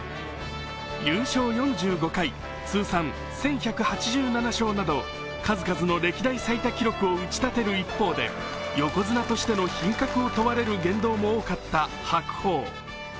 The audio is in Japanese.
優勝４５回、通算１１８７勝など、数々の歴代最多記録を打ち立てる一方で横綱としての品格を問われる言動も多かった白鵬。